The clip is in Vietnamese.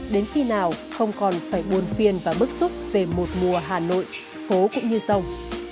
đến khi nào không còn phải buồn phiền và bức xúc về một mùa hà nội phố cũng như sông